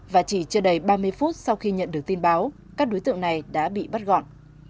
và chỉ chưa đầy ba mươi phút sau khi nhận được tin báo các đối tượng này đã bị bắt gọn